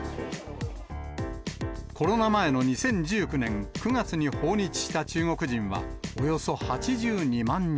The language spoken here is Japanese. コロナ前の２０１９年９月に訪日した中国人はおよそ８２万人。